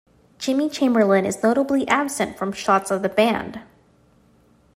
Jimmy Chamberlin is notably absent from shots of the band.